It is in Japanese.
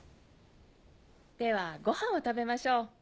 ではごはんを食べましょう。